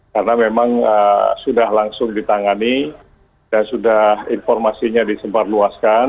karena memang sudah langsung ditangani dan sudah informasinya disebarluaskan